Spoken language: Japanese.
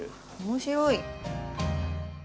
面白い。